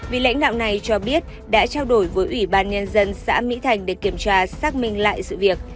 vì lãnh đạo này cho biết đã trao đổi với ủy ban nhân dân xã mỹ thành để kiểm tra xác minh lại sự việc